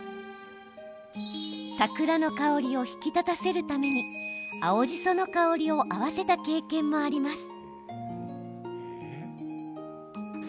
桜の香りを引き立たせるために青じその香りを合わせた経験もあります。